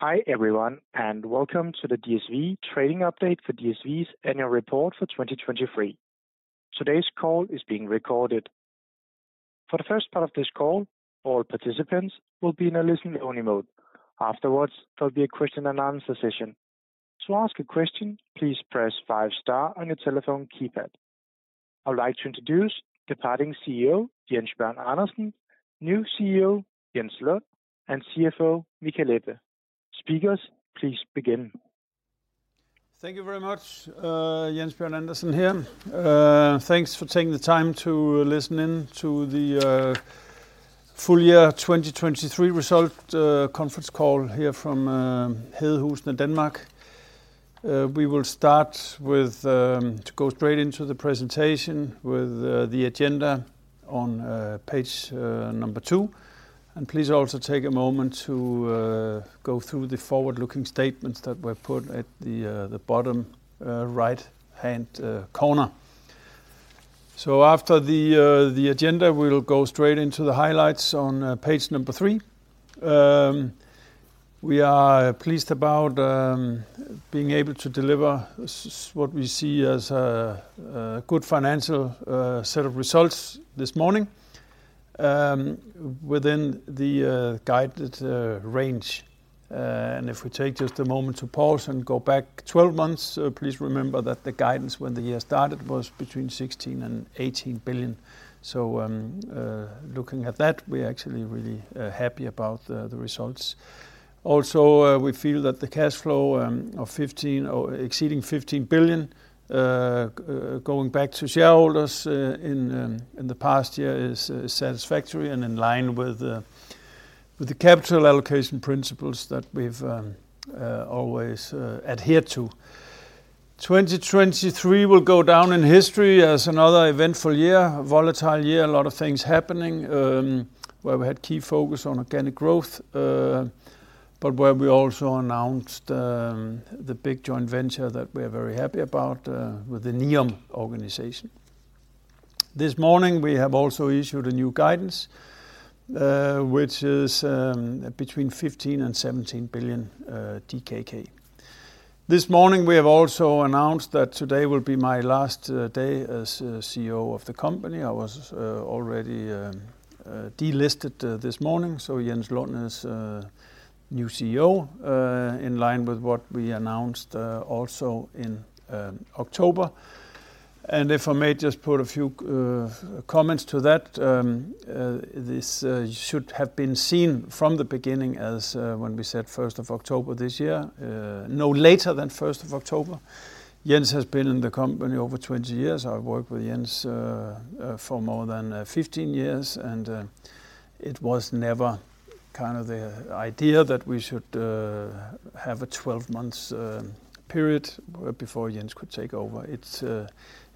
Hi, everyone, and welcome to the DSV Trading Update for DSV's Annual Report for 2023. Today's call is being recorded. For the first part of this call, all participants will be in a listen-only mode. Afterwards, there'll be a question and answer session. To ask a question, please press five star on your telephone keypad. I would like to introduce departing CEO, Jens Bjørn Andersen, new CEO, Jens H. Lund, and CFO, Michael Ebbe. Speakers, please begin. Thank you very much, Jens Bjørn Andersen here. Thanks for taking the time to listen in to the full year 2023 result conference call here from Hedehusene, Denmark. We will start with to go straight into the presentation with the agenda on page two. Please also take a moment to go through the forward-looking statements that were put at the bottom right-hand corner. After the agenda, we'll go straight into the highlights on page three. We are pleased about being able to deliver what we see as a good financial set of results this morning within the guided range. If we take just a moment to pause and go back 12 months, please remember that the guidance when the year started was between 16 billion and 18 billion. Looking at that, we're actually really happy about the results. Also, we feel that the cash flow of 15 billion or exceeding 15 billion going back to shareholders in the past year is satisfactory and in line with the capital allocation principles that we've always adhered to. 2023 will go down in history as another eventful year, a volatile year, a lot of things happening, where we had key focus on organic growth, but where we also announced the big joint venture that we're very happy about with the NEOM organization. This morning, we have also issued a new guidance, which is between 15 billion and 17 billion. This morning, we have also announced that today will be my last day as CEO of the company. I was already delisted this morning, so Jens Lund is new CEO in line with what we announced also in October. And if I may just put a few comments to that, this should have been seen from the beginning as when we said first of October this year, no later than first of October. Jens has been in the company over 20 years. I've worked with Jens for more than 15 years, and it was never kind of the idea that we should have a 12 months period before Jens could take over. It's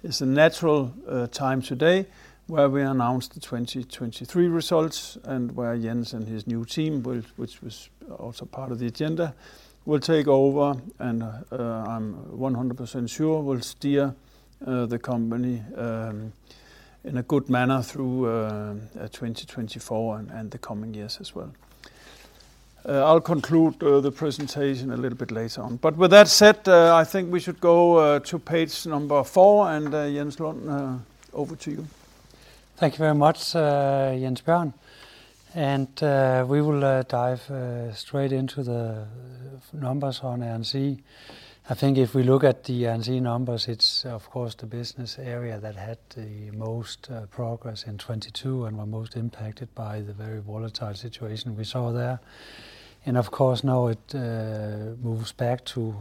it's a natural time today, where we announced the 2023 results, and where Jens and his new team, which was also part of the agenda, will take over, and I'm 100% sure will steer the company in a good manner through 2024 and the coming years as well. I'll conclude the presentation a little bit later on. But with that said, I think we should go to page number four, and Jens Lund over to you. Thank you very much, Jens Bjørn. We will dive straight into the numbers on Air and Sea. I think if we look at the Air and Sea numbers, it's of course the business area that had the most progress in 2022 and were most impacted by the very volatile situation we saw there. Of course, now it moves back to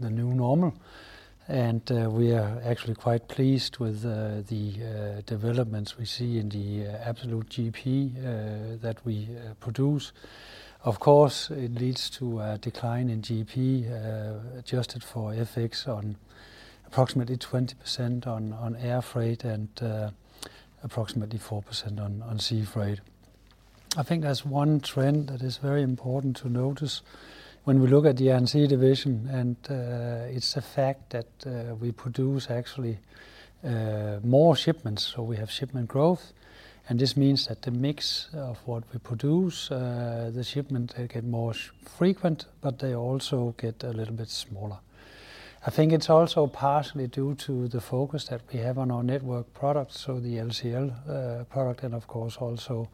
the new normal, and we are actually quite pleased with the developments we see in the absolute GP that we produce. Of course, it leads to a decline in GP adjusted for FX on approximately 20% on air freight and approximately 4% on sea freight. I think there's one trend that is very important to notice when we look at the Air & Sea division, and it's the fact that we produce actually more shipments, so we have shipment growth. And this means that the mix of what we produce, the shipment, they get more frequent, but they also get a little bit smaller. I think it's also partially due to the focus that we have on our network products, so the LCL product and of course also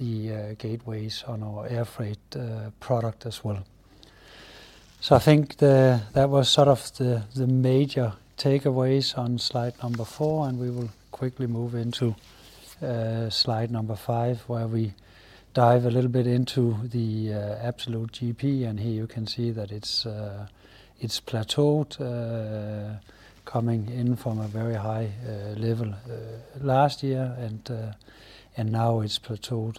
the gateways on our air freight product as well. So I think the... That was sort of the major takeaways on slide number four, and we will quickly move into slide number five, where we dive a little bit into the absolute GP. And here you can see that it's, it's plateaued, coming in from a very high, level, last year, and, and now it's plateaued.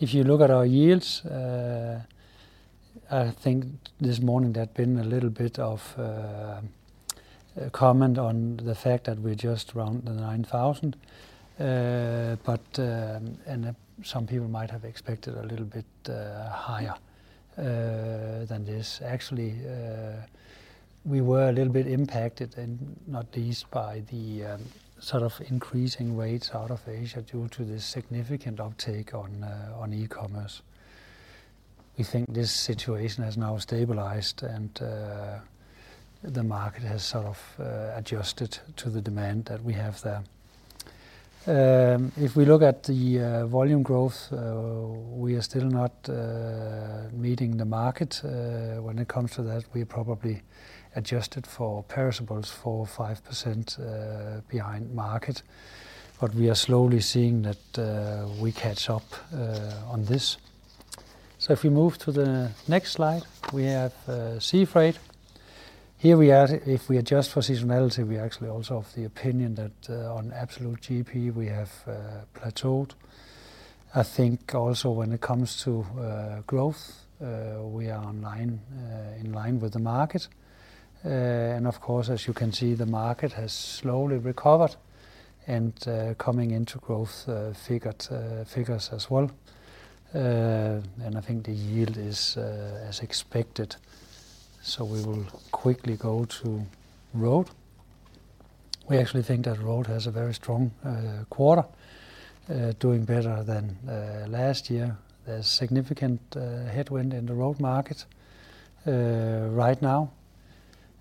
If you look at our yields, I think this morning there's been a little bit of, comment on the fact that we're just around 9,000, but, and some people might have expected a little bit, higher, than this. Actually, we were a little bit impacted, and not least by the, sort of increasing rates out of Asia due to the significant uptake on, on e-commerce. We think this situation has now stabilized, and, the market has sort of, adjusted to the demand that we have there. If we look at the, volume growth, we are still not, meeting the market. When it comes to that, we probably adjusted for perishables 4% or 5% behind market, but we are slowly seeing that we catch up on this. So if we move to the next slide, we have Sea Freight. Here we are, if we adjust for seasonality, we are actually also of the opinion that on absolute GP, we have plateaued. I think also when it comes to growth, we are in line with the market. And of course, as you can see, the market has slowly recovered and coming into growth figures as well. And I think the yield is as expected, so we will quickly go to Road. We actually think that Road has a very strong quarter, doing better than last year. There's significant headwind in the Road market. Right now,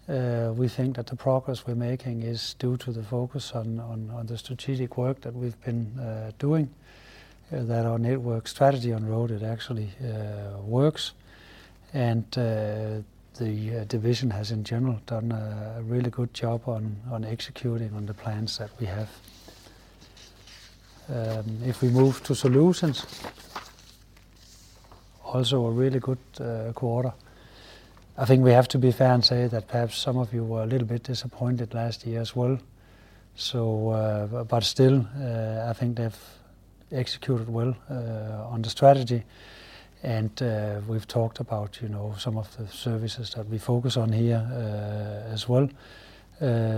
we think that the progress we're making is due to the focus on the strategic work that we've been doing, that our network strategy on Road actually works. And the division has in general done a really good job on executing on the plans that we have. If we move to solutions, also a really good quarter. I think we have to be fair and say that perhaps some of you were a little bit disappointed last year as well. But still, I think they've executed well on the strategy, and we've talked about, you know, some of the services that we focus on here, as well.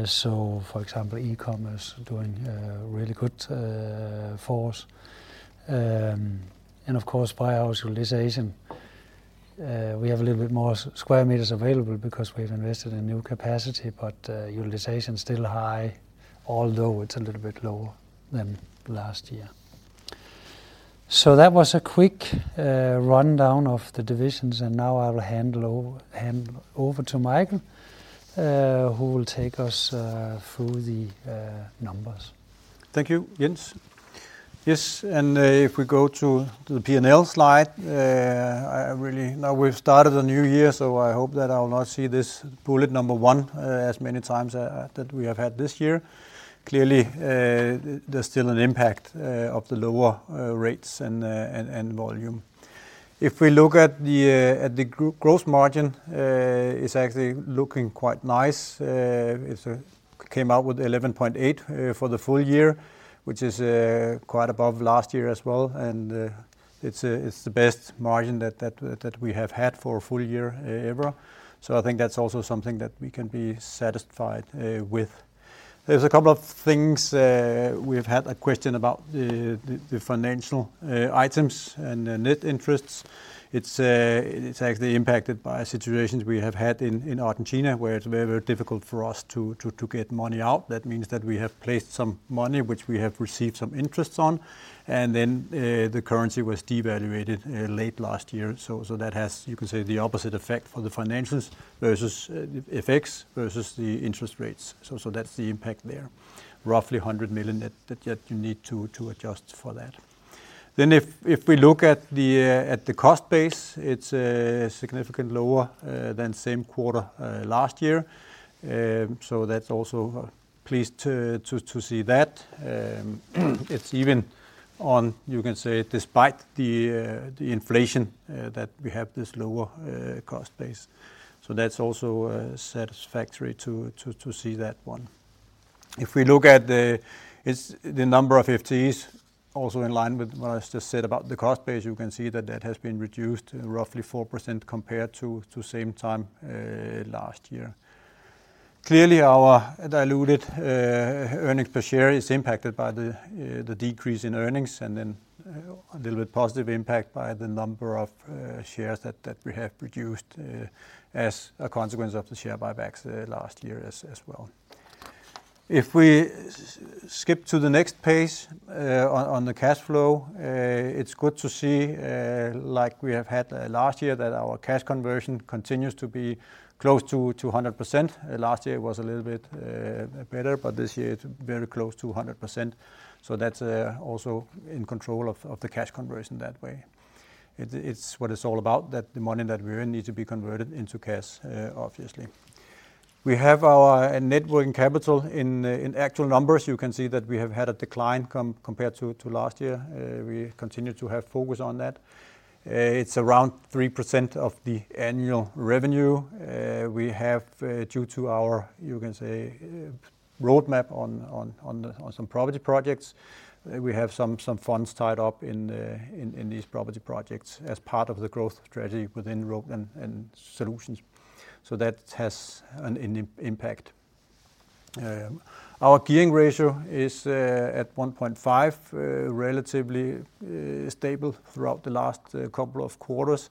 So for example, e-commerce doing really good for us. And of course, by our utilization, we have a little bit more square meters available because we've invested in new capacity, but utilization is still high, although it's a little bit lower than last year. So that was a quick rundown of the divisions, and now I will hand over to Michael, who will take us through the numbers. Thank you, Jens. Yes, and if we go to the P&L slide, I really... Now, we've started a new year, so I hope that I will not see this bullet number one as many times that we have had this year. Clearly, there's still an impact of the lower rates and volume. If we look at the gross margin, it's actually looking quite nice. It came out with 11.8 for the full year, which is quite above last year as well, and it's the best margin that we have had for a full year ever. So I think that's also something that we can be satisfied with. There's a couple of things we've had a question about, the financial items and the net interests. It's actually impacted by situations we have had in Argentina, where it's very difficult for us to get money out. That means that we have placed some money, which we have received some interests on, and then the currency was devalued late last year. So that has, you can say, the opposite effect for the financials versus effects versus the interest rates. So that's the impact there. Roughly 100 million that yet you need to adjust for that. Then if we look at the cost base, it's significantly lower than same quarter last year. So that's also pleased to see that. It's even on, you can say, despite the inflation that we have this lower cost base. So that's also satisfactory to see that one. If we look at the number of FTEs, also in line with what I just said about the cost base, you can see that that has been reduced roughly 4% compared to same time last year. Clearly, our diluted earnings per share is impacted by the decrease in earnings and then a little bit positive impact by the number of shares that we have reduced as a consequence of the share buybacks last year as well. If we skip to the next page, on the cash flow, it's good to see, like we have had last year, that our cash conversion continues to be close to 100%. Last year was a little bit better, but this year it's very close to 100%, so that's also in control of the cash conversion that way. It's what it's all about, that the money that we earn needs to be converted into cash, obviously. We have our net working capital in actual numbers. You can see that we have had a decline compared to last year. We continue to have focus on that. It's around 3% of the annual revenue. We have, due to our, you can say, roadmap on some property projects, we have some funds tied up in these property projects as part of the growth strategy within Road and Solutions. So that has an impact. Our gearing ratio is at 1.5, relatively stable throughout the last couple of quarters.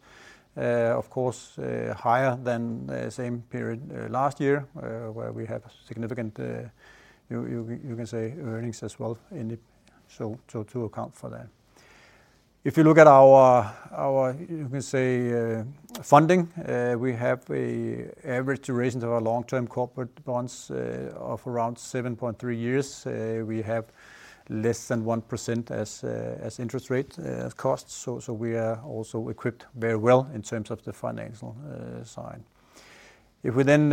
Of course, higher than the same period last year, where we had a significant, you can say, earnings as well in it, so to account for that. If you look at our, you can say, funding, we have an average duration of our long-term corporate bonds of around 7.3 years. We have less than 1% as, as interest rate, costs, so, so we are also equipped very well in terms of the financial, side. If we then,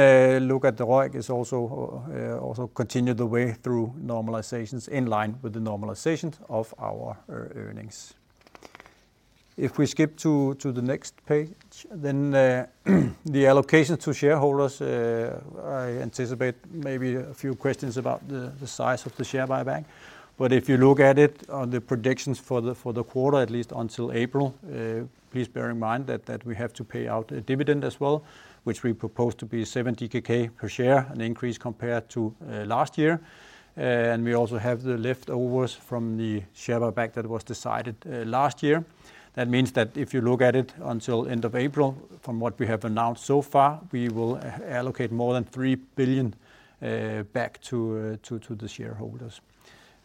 look at the ROIC, it's also, also continued the way through normalizations, in line with the normalizations of our earnings. If we skip to, to the next page, then, the allocation to shareholders, I anticipate maybe a few questions about the, the size of the share buyback. But if you look at it on the predictions for the, for the quarter, at least until April, please bear in mind that, that we have to pay out a dividend as well, which we propose to be 70 DKK per share, an increase compared to, last year. And we also have the leftovers from the share buyback that was decided last year. That means that if you look at it until end of April, from what we have announced so far, we will allocate more than 3 billion back to the shareholders.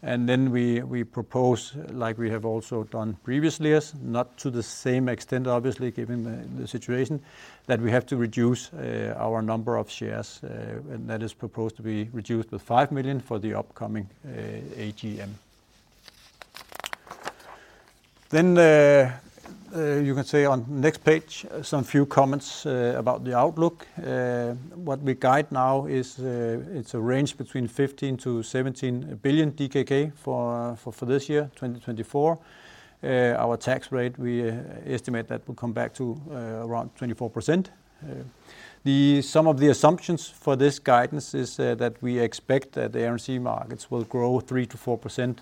And then we propose, like we have also done previously, as not to the same extent, obviously, given the situation, that we have to reduce our number of shares, and that is proposed to be reduced by 5 million for the upcoming AGM. Then you can see on next page, some few comments about the outlook. What we guide now is, it's a range between 15 billion-17 billion DKK for this year, 2024. Our tax rate, we estimate that will come back to around 24%. Some of the assumptions for this guidance is that we expect that the Air & Sea markets will grow 3%-4%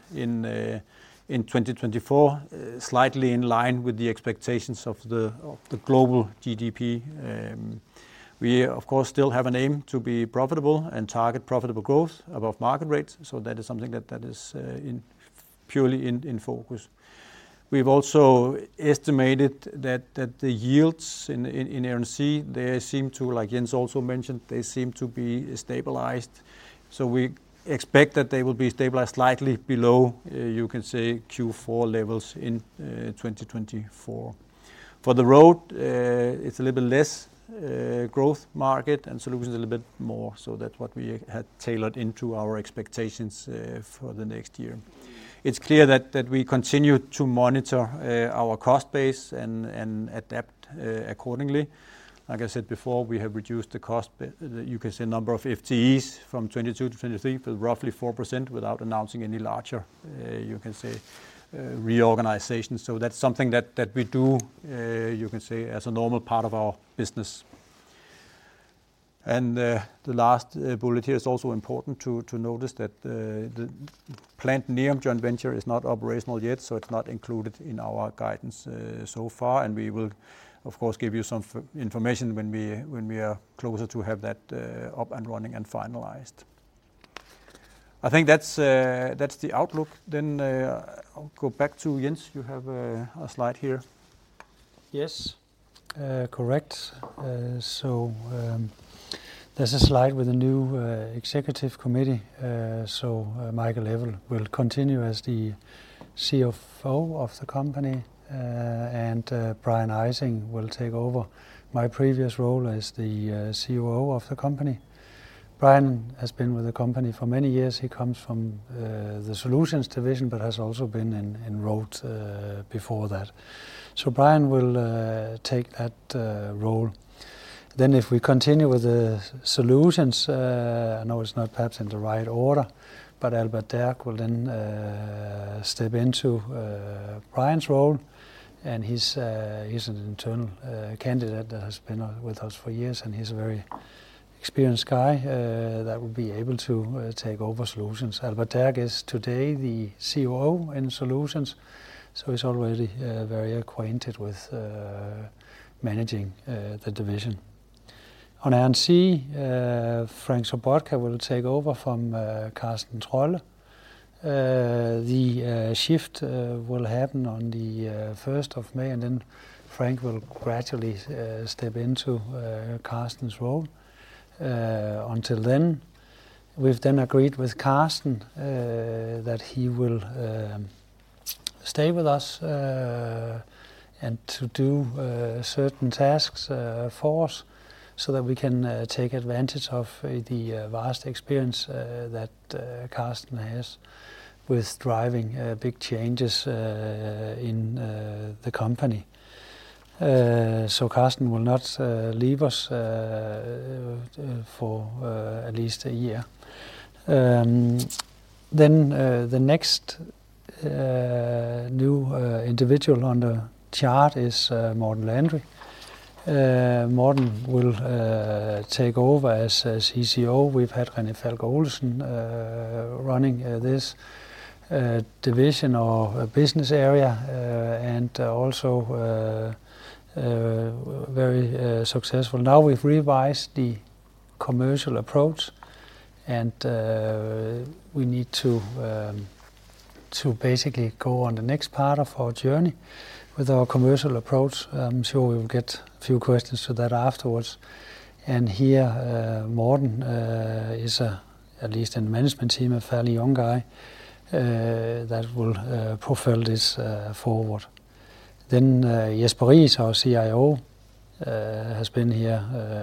in 2024, slightly in line with the expectations of the global GDP. We, of course, still have an aim to be profitable and target profitable growth above market rates, so that is something that is in focus. We've also estimated that the yields in Air & Sea, they seem to, like Jens also mentioned, they seem to be stabilized. So we expect that they will be stabilized slightly below, you can say, Q4 levels in 2024. For the Road, it's a little bit less growth market, and Solutions is a little bit more, so that's what we had tailored into our expectations for the next year. It's clear that we continue to monitor our cost base and adapt accordingly. Like I said before, we have reduced the cost base—you can say, number of FTEs from 2022-2023, to roughly 4%, without announcing any larger—you can say—reorganization. So that's something that we do—you can say—as a normal part of our business. The last bullet here is also important to notice that the NEOM joint venture is not operational yet, so it's not included in our guidance so far. And we will, of course, give you some information when we are closer to have that up and running and finalized. I think that's the outlook. Then, I'll go back to Jens. You have a slide here. Yes, correct. So, there's a slide with the new Executive Committee. So, Michael Ebbe will continue as the CFO of the company, and Brian Ejsing will take over my previous role as the COO of the company. Brian has been with the company for many years. He comes from the Solutions division, but has also been in Road before that. So Brian will take that role. Then, if we continue with the Solutions, I know it's not perhaps in the right order, but Albert-Derk Bruin will then step into Brian's role, and he's an internal candidate that has been with us for years, and he's a very experienced guy that will be able to take over Solutions. Albert-Derk Bruin is today the COO in Solutions, so he's already very acquainted with managing the division. On Air & Sea, Frank Sobotka will take over from Carsten Trolle. The shift will happen on the first of May, and then Frank will gradually step into Carsten's role. Until then, we've then agreed with Carsten that he will stay with us and to do certain tasks for us, so that we can take advantage of the vast experience that Carsten has with driving big changes in the company. So Carsten will not leave us for at least a year. Then the next new individual on the chart is Morten Landry. Morten will take over as CCO. We've had Rene Falch Olesen running this division or business area and also very successful. Now we've revised the commercial approach, and we need to basically go on the next part of our journey with our commercial approach. I'm sure we'll get a few questions to that afterwards. Here Morten is at least in the management team, a fairly young guy that will propel this forward. Jesper Riis, our CIO, has been here.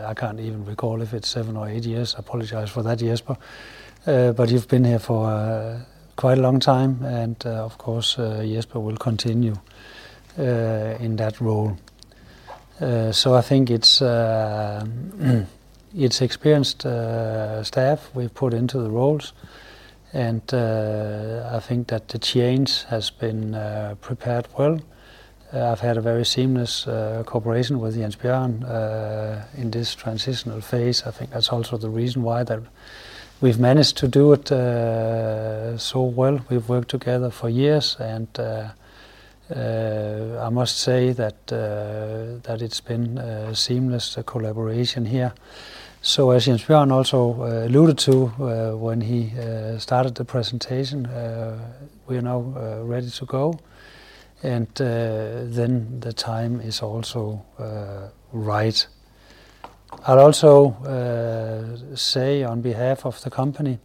I can't even recall if it's seven or eight years. I apologize for that, Jesper. But you've been here for quite a long time and of course Jesper will continue in that role. So I think it's experienced staff we've put into the roles, and I think that the change has been prepared well. I've had a very seamless cooperation with Jens Bjørn in this transitional phase. I think that's also the reason why we've managed to do it so well. We've worked together for years, and I must say that it's been a seamless collaboration here. So as Jens Bjørn also alluded to when he started the presentation, we are now ready to go and then the time is also right. I'll also say on behalf of the company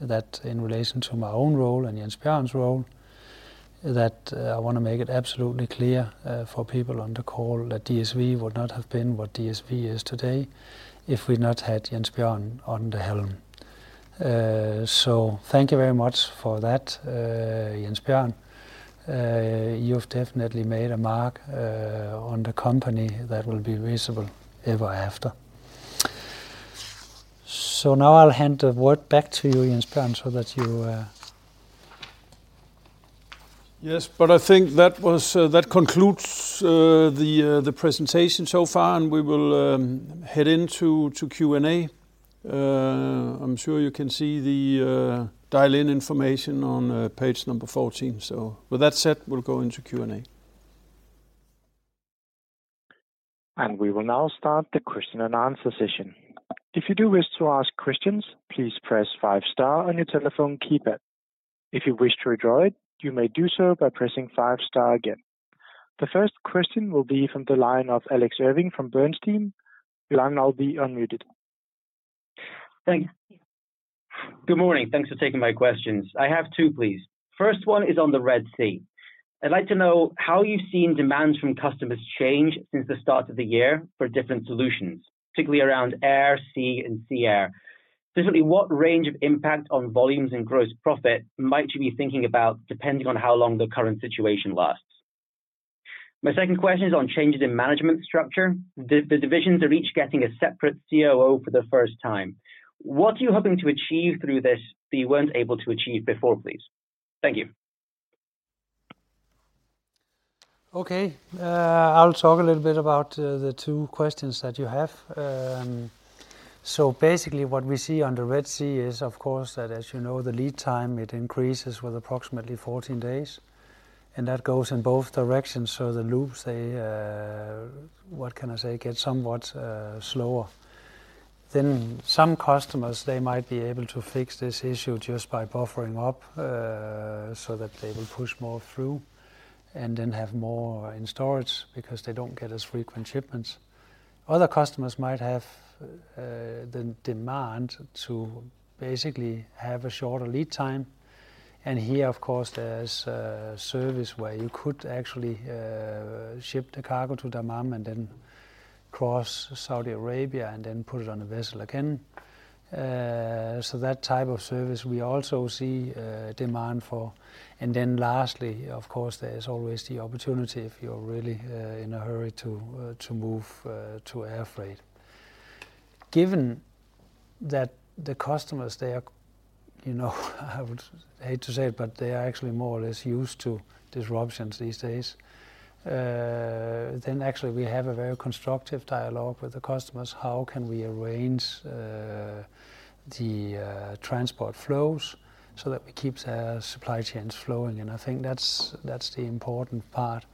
that in relation to my own role and Jens Bjørn's role, that I want to make it absolutely clear for people on the call, that DSV would not have been what DSV is today if we not had Jens Bjørn on the helm. So thank you very much for that, Jens Bjørn. You've definitely made a mark on the company that will be visible ever after. So now I'll hand the word back to you, Jens Bjørn, so that you, Yes, but I think that was that concludes the presentation so far, and we will head into Q&A. I'm sure you can see the dial-in information on page number 14. So with that said, we'll go into Q&A. We will now start the question and answer session. If you do wish to ask questions, please press five star on your telephone keypad. If you wish to withdraw it, you may do so by pressing five star again. The first question will be from the line of Alex Irving from Bernstein. Your line now will be unmuted. Thank you. Good morning. Thanks for taking my questions. I have two, please. First one is on the Red Sea. I'd like to know how you've seen demands from customers change since the start of the year for different solutions, particularly around air, sea, and sea/air. Specifically, what range of impact on volumes and gross profit might you be thinking about, depending on how long the current situation lasts? My second question is on changes in management structure. The divisions are each getting a separate COO for the first time. What are you hoping to achieve through this that you weren't able to achieve before, please? Thank you. Okay, I'll talk a little bit about the two questions that you have. So basically what we see on the Red Sea is, of course, that as you know, the lead time, it increases with approximately 14 days, and that goes in both directions. So the loops, they what can I say, get somewhat slower. Then some customers, they might be able to fix this issue just by buffering up, so that they will push more through and then have more in storage because they don't get as frequent shipments. Other customers might have the demand to basically have a shorter lead time. And here, of course, there's a service where you could actually ship the cargo to Dammam and then cross Saudi Arabia and then put it on a vessel again. So that type of service we also see demand for. And then lastly, of course, there is always the opportunity, if you're really in a hurry, to move to air freight. Given that the customers, they are, you know, I would hate to say it, but they are actually more or less used to disruptions these days. Then actually we have a very constructive dialogue with the customers. How can we arrange the transport flows so that we keep their supply chains flowing? And I think that's the important part.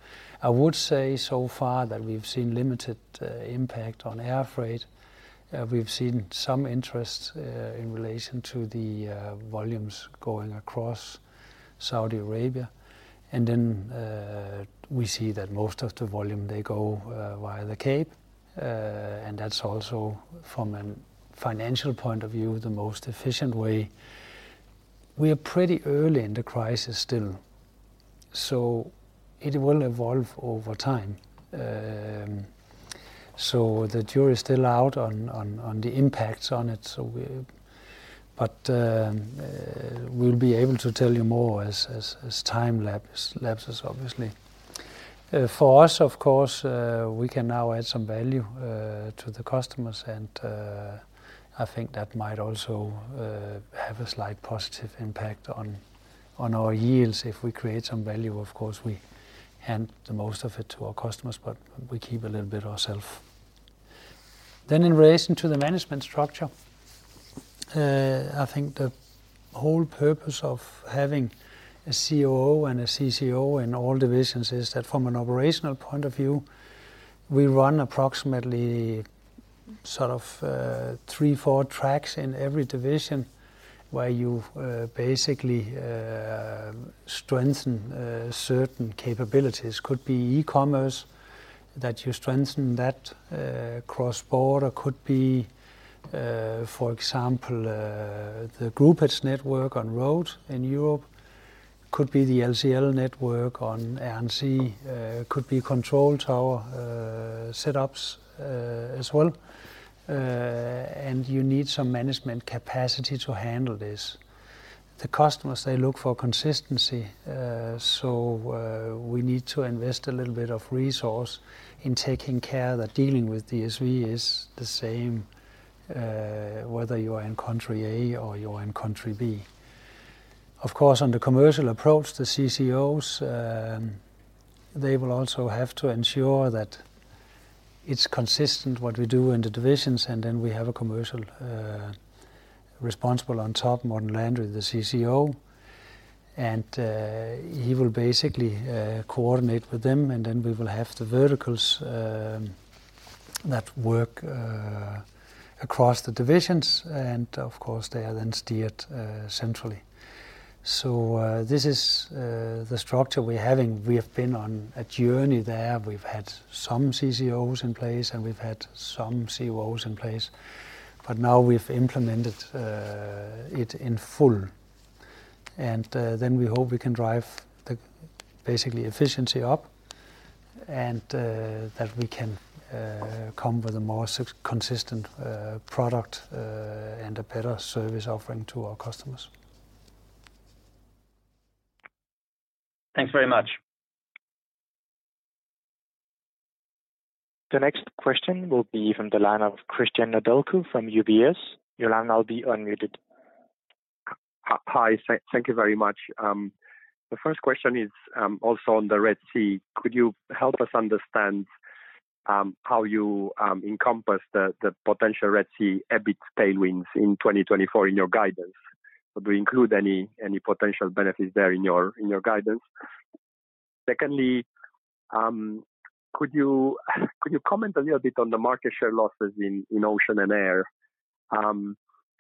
I would say so far that we've seen limited impact on air freight. We've seen some interest in relation to the volumes going across Saudi Arabia, and then we see that most of the volume, they go via the Cape, and that's also, from a financial point of view, the most efficient way. We are pretty early in the crisis still, so it will evolve over time. So the jury is still out on the impacts on it, so we... But we'll be able to tell you more as time lapses, obviously. For us, of course, we can now add some value to the customers, and I think that might also have a slight positive impact on our yields. If we create some value, of course, we hand the most of it to our customers, but we keep a little bit ourselves. Then in relation to the management structure, I think the whole purpose of having a COO and a CCO in all divisions is that from an operational point of view, we run approximately sort of 3-4 tracks in every division, where you've basically strengthen certain capabilities. Could be e-commerce, that you strengthen that, cross-border. Could be, for example, the groupage network on road in Europe, could be the LCL network on air and sea, could be control tower setups, as well. And you need some management capacity to handle this. The customers, they look for consistency, so, we need to invest a little bit of resource in taking care that dealing with DSV is the same, whether you are in country A or you are in country B. Of course, on the commercial approach, the CCOs, they will also have to ensure that it's consistent what we do in the divisions, and then we have a commercial responsible on top, Morten Landry, the CCO. And, he will basically coordinate with them, and then we will have the verticals, that work across the divisions, and of course, they are then steered centrally. So, this is the structure we're having. We have been on a journey there. We've had some CCOs in place, and we've had some COOs in place, but now we've implemented it in full. And, then we hope we can drive the basically efficiency up, and that we can come with a more consistent product and a better service offering to our customers. Thanks very much. The next question will be from the line of Cristian Nedelcu from UBS. Your line is now unmuted. Hi, thank you very much. The first question is also on the Red Sea. Could you help us understand how you encompass the potential Red Sea EBIT tailwinds in 2024 in your guidance? So do you include any potential benefits there in your guidance? Secondly, could you comment a little bit on the market share losses in ocean and air?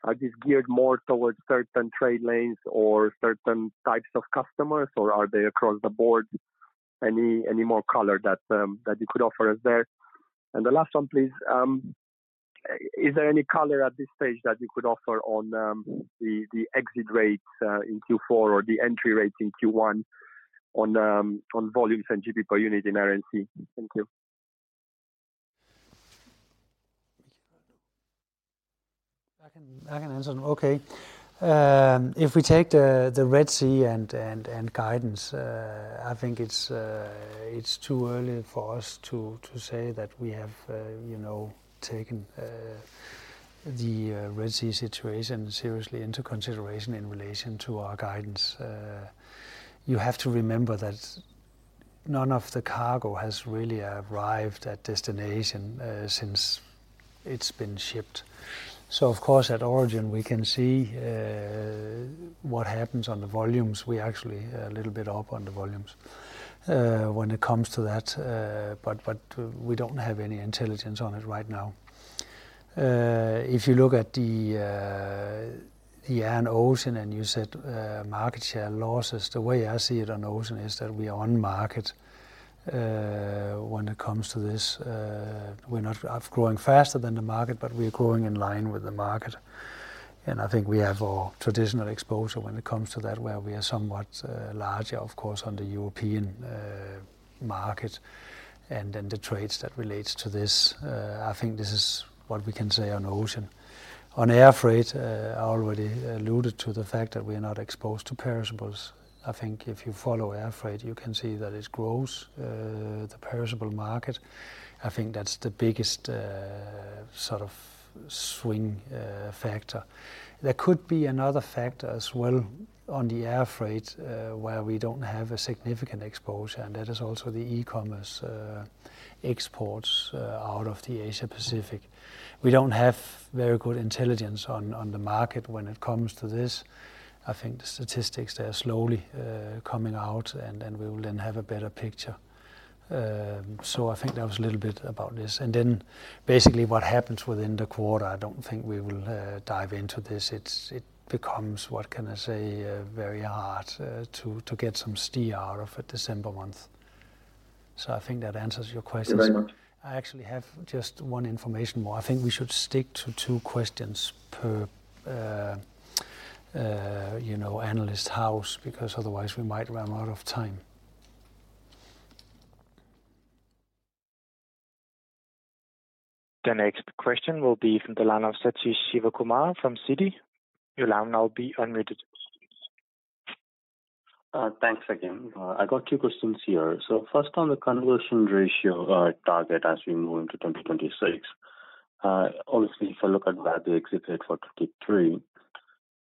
Are these geared more towards certain trade lanes or certain types of customers, or are they across the board? Any more color that you could offer us there? And the last one, please, is there any color at this stage that you could offer on the exit rates in Q4 or the entry rates in Q1 on volumes and GP per unit in RNC? Thank you. I can, I can answer them. Okay. If we take the Red Sea and guidance, I think it's too early for us to say that we have, you know, taken the Red Sea situation seriously into consideration in relation to our guidance. You have to remember that none of the cargo has really arrived at destination since it's been shipped. So of course, at origin, we can see what happens on the volumes. We're actually a little bit up on the volumes when it comes to that, but we don't have any intelligence on it right now. If you look at the air and ocean, and you said market share losses, the way I see it on ocean is that we are on market. When it comes to this, we're not of growing faster than the market, but we are growing in line with the market. And I think we have our traditional exposure when it comes to that, where we are somewhat larger, of course, on the European market and then the trades that relates to this. I think this is what we can say on ocean. On air freight, I already alluded to the fact that we are not exposed to perishables. I think if you follow air freight, you can see that it grows the perishable market. I think that's the biggest sort of swing factor. There could be another factor as well on the air freight, where we don't have a significant exposure, and that is also the e-commerce exports out of the Asia Pacific. We don't have very good intelligence on the market when it comes to this. I think the statistics, they are slowly coming out, and then we will have a better picture. So I think that was a little bit about this. And then, basically, what happens within the quarter, I don't think we will dive into this. It becomes, what can I say? Very hard to get some steer out of a December month. So I think that answers your questions. Thank you very much. I actually have just one information more. I think we should stick to two questions per, you know, analyst house, because otherwise we might run out of time. The next question will be from the line of Sathish Sivakumar from Citi. Your line now will be unmuted. Thanks again. I got two questions here. So first, on the conversion ratio target as we move into 2026. Obviously, if I look at where we exited for 2023-...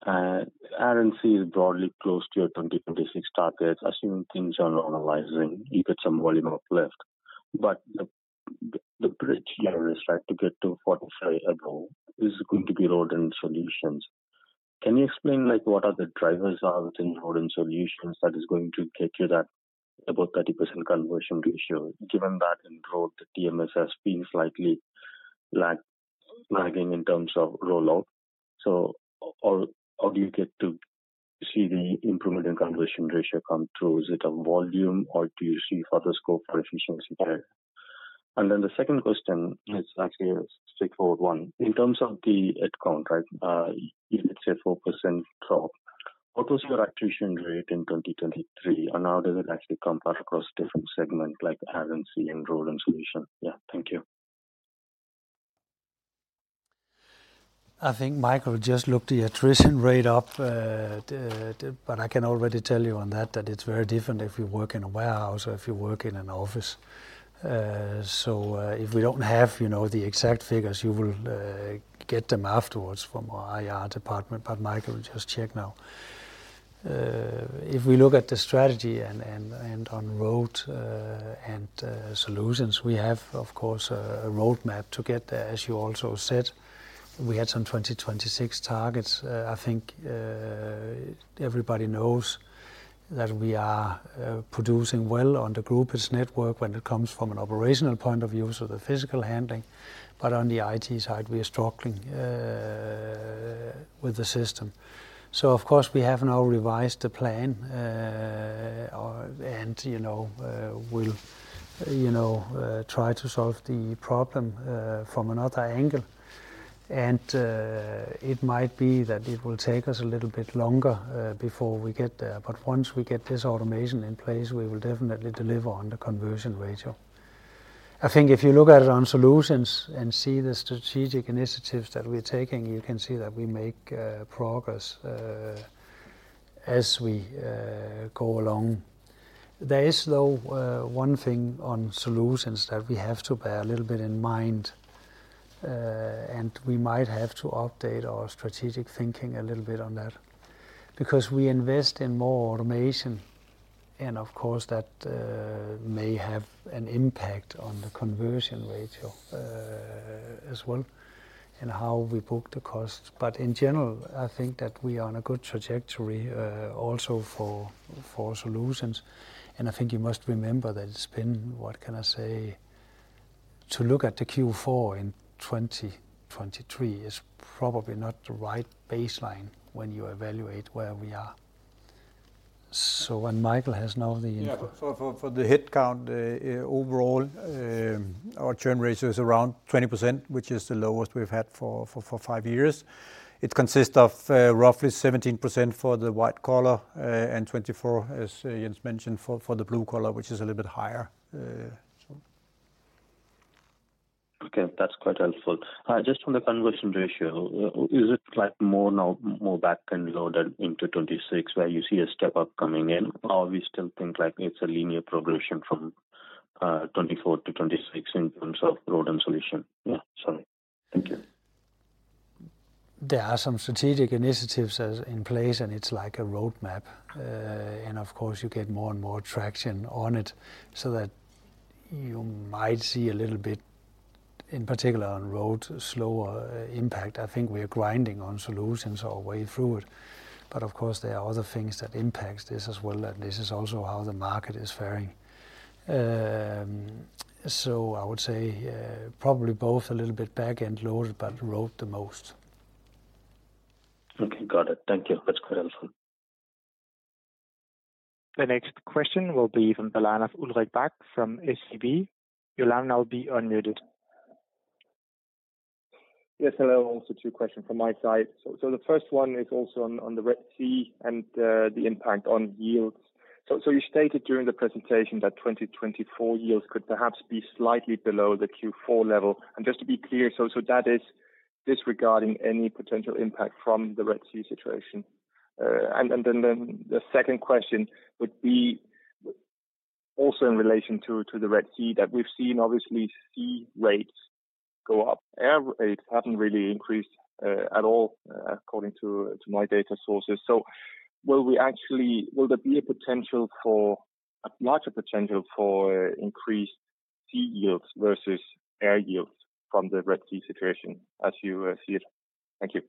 RNC is broadly close to your 2026 targets, assuming things are normalizing, you get some volume uplift. But the bridge here is right to get to 45 above is going to be road and solutions. Can you explain, like, what are the drivers are within road and solutions that is going to get you that about 30% conversion ratio, given that in road, the TMS has been slightly lagging in terms of rollout? So or, or do you get to see the improvement in conversion ratio come through? Is it a volume, or do you see further scope for efficiency there? And then the second question is actually a straightforward one. In terms of the headcount, right, you could say 4% drop. What was your attrition rate in 2023, and how does it actually compare across different segments like Air & Sea and Road and Solution? Yeah. Thank you. I think Michael just looked the attrition rate up, but I can already tell you on that, that it's very different if you work in a warehouse or if you work in an office. So, if we don't have, you know, the exact figures, you will get them afterwards from our IR department, but Michael will just check now. If we look at the strategy and on road and solutions, we have, of course, a roadmap to get there. As you also said, we had some 2026 targets. I think everybody knows that we are producing well on the group's network when it comes from an operational point of view, so the physical handling, but on the IT side, we are struggling with the system. So of course, we have now revised the plan, you know, we'll, you know, try to solve the problem from another angle. It might be that it will take us a little bit longer before we get there, but once we get this automation in place, we will definitely deliver on the conversion ratio. I think if you look at it on solutions and see the strategic initiatives that we're taking, you can see that we make progress as we go along. There is, though, one thing on solutions that we have to bear a little bit in mind, and we might have to update our strategic thinking a little bit on that. Because we invest in more automation, and of course, that may have an impact on the conversion ratio, as well, and how we book the costs. But in general, I think that we are on a good trajectory, also for solutions. And I think you must remember that it's been... What can I say? To look at the Q4 in 2023 is probably not the right baseline when you evaluate where we are. So when Michael has now the- Yeah, for the headcount, overall, our churn ratio is around 20%, which is the lowest we've had for five years. It consists of roughly 17% for the white collar, and 24, as Jens mentioned, for the blue collar, which is a little bit higher, so. Okay, that's quite helpful. Just on the conversion ratio, is it like more now, more back-end loaded into 2026, where you see a step-up coming in? Or we still think like it's a linear progression from 2024 to 2026 in terms of road and solution? Yeah. Sorry. Thank you. There are some strategic initiatives as in place, and it's like a roadmap. And of course, you get more and more traction on it, so that you might see a little bit, in particular on Road, a slower impact. I think we are grinding on Solutions our way through it. But of course, there are other things that impacts this as well, and this is also how the market is faring. So I would say, probably both a little bit back-end loaded, but Road the most. Okay, got it. Thank you. That's quite helpful. The next question will be from the line of Ulrik Bak from SEB. Your line now be unmuted. Yes, hello. Also two question from my side. The first one is also on the Red Sea and the impact on yields. You stated during the presentation that 2024 yields could perhaps be slightly below the Q4 level. And just to be clear, that is disregarding any potential impact from the Red Sea situation? And then the second question would be also in relation to the Red Sea, that we've seen, obviously, sea rates go up. Air rates haven't really increased at all according to my data sources. So will we actually? Will there be a potential for a larger potential for increased sea yields versus air yields from the Red Sea situation as you see it? Thank you.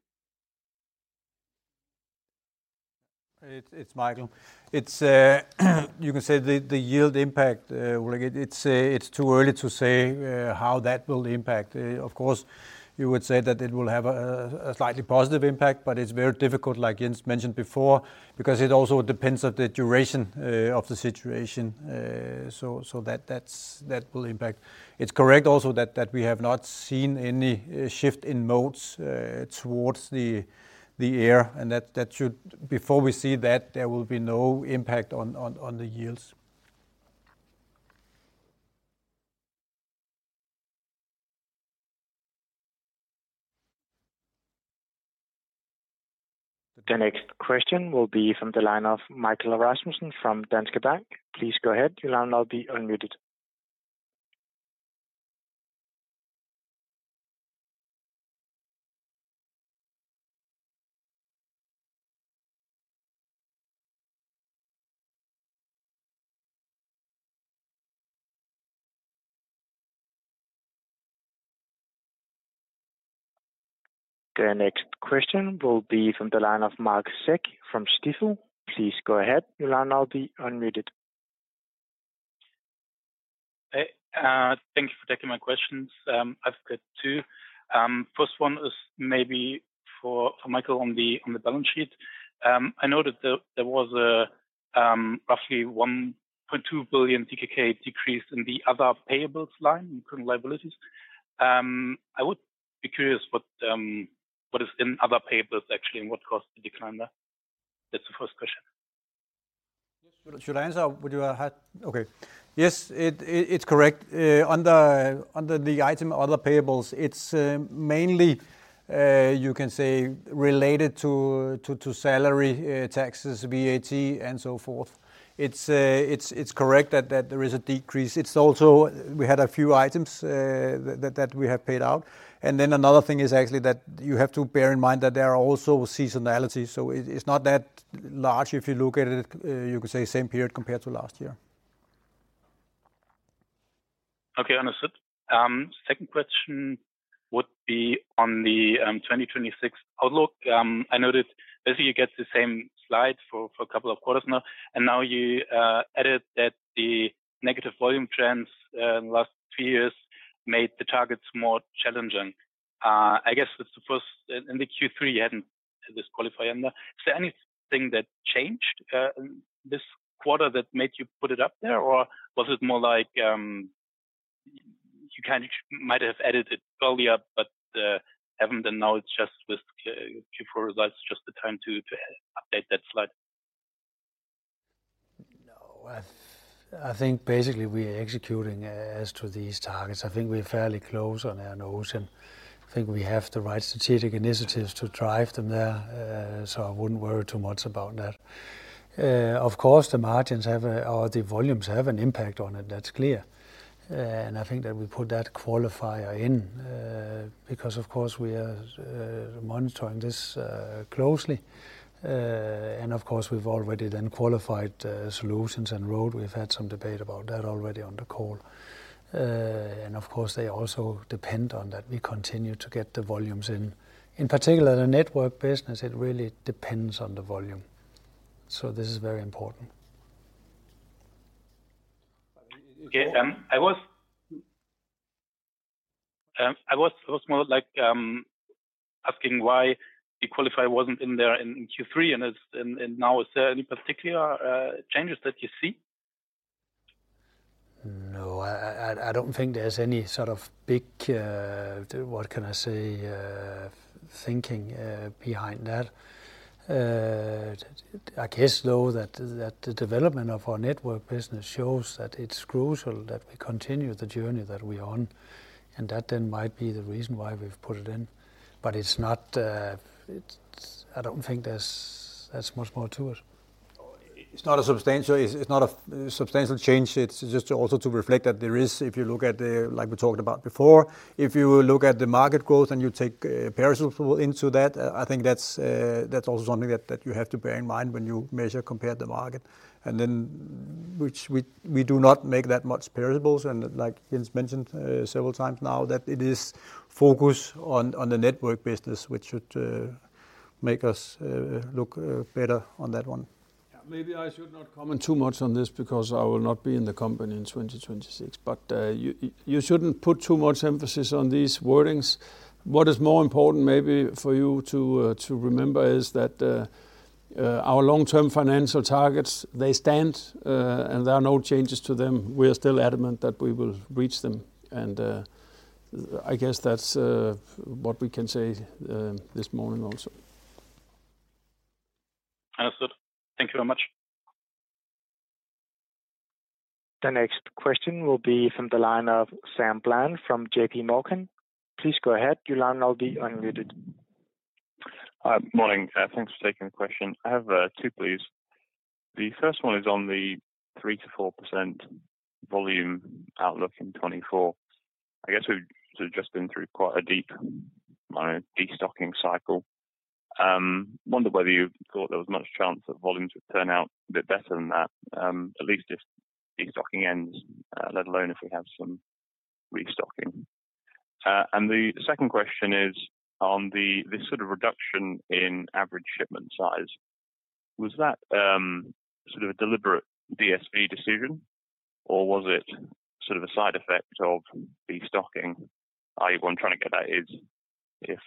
It's Michael. It's you can say the yield impact, well, it's too early to say how that will impact. Of course, you would say that it will have a slightly positive impact, but it's very difficult, like Jens mentioned before, because it also depends on the duration of the situation. So that will impact. It's correct also that we have not seen any shift in modes towards the air, and that should... Before we see that, there will be no impact on the yields. The next question will be from the line of Michael Rasmussen from Danske Bank. Please go ahead. Your line now be unmuted.... The next question will be from the line of Marc Zeck from Stifel. Please go ahead. Your line now be unmuted. Hey, thank you for taking my questions. I've got two. First one is maybe for, for Michael on the, on the balance sheet. I know that there, there was a, roughly 1.2 billion DKK decrease in the other payables line, in current liabilities. I would be curious what, what is in other payables actually, and what caused the decline there? That's the first question. Yes, should I answer? Would you have... Okay. Yes, it's correct. Under the item other payables, it's mainly—you can say—related to salary, taxes, VAT, and so forth. It's correct that there is a decrease. It's also we had a few items that we have paid out. And then another thing is actually that you have to bear in mind that there are also seasonality, so it's not that large if you look at it. You could say same period compared to last year. Okay, understood. Second question would be on the 2026 outlook. I noticed basically you get the same slide for a couple of quarters now, and now you added that the negative volume trends in the last three years made the targets more challenging. I guess it's the first, in Q3 you hadn't this qualifier in there. Is there anything that changed in this quarter that made you put it up there? Or was it more like you kind of might have added it earlier, but having done now, it's just with Q4 results, just the time to update that slide? No, I think basically we are executing as to these targets. I think we're fairly close on our notes, and I think we have the right strategic initiatives to drive them there, so I wouldn't worry too much about that. Of course, the margins have a or the volumes have an impact on it, that's clear. And I think that we put that qualifier in, because of course, we are monitoring this closely. And of course, we've already then qualified Solutions and Road. We've had some debate about that already on the call. And of course, they also depend on that we continue to get the volumes in. In particular, the network business, it really depends on the volume, so this is very important. Okay. I was more like asking why the qualifier wasn't in there in Q3, and it's and now is there any particular changes that you see? No, I don't think there's any sort of big, what can I say, thinking behind that. I guess, though, that the development of our network business shows that it's crucial that we continue the journey that we're on, and that then might be the reason why we've put it in. But it's not, it's... I don't think there's much more to it. It's not a substantial, it's not a substantial change. It's just also to reflect that there is, if you look at the, like we talked about before, if you look at the market growth and you take perishables into that, I think that's, that's also something that, that you have to bear in mind when you measure, compare the market. And then which we, we do not make that much perishables, and like Jens mentioned, several times now, that it is focus on, on the network business, which should, make us, look, better on that one. Yeah. Maybe I should not comment too much on this, because I will not be in the company in 2026. But, you, you shouldn't put too much emphasis on these wordings. What is more important maybe for you to, to remember is that, our long-term financial targets, they stand, and there are no changes to them. We are still adamant that we will reach them, and, I guess that's, what we can say, this morning also. Understood. Thank you very much. The next question will be from the line of Sam Bland from JP Morgan. Please go ahead. Your line is now unmuted. Morning. Thanks for taking the question. I have two, please. The first one is on the 3%-4% volume outlook in 2024. I guess we've sort of just been through quite a deep destocking cycle. Wondered whether you thought there was much chance that volumes would turn out a bit better than that, at least if destocking ends, let alone if we have some restocking. The second question is on the this sort of reduction in average shipment size, was that sort of a deliberate DSV decision, or was it sort of a side effect of destocking? What I'm trying to get at is, if